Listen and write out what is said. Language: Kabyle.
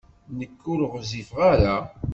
Nekk ur ɣezzifeɣ ara.